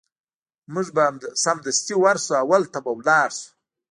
موږ به سمدستي ورشو او هلته به لاړ شو